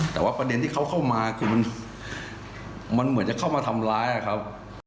แต่ว่าประเด็นที่เขาเข้ามาคือมันเหมือนจะเข้ามาทำร้ายครับ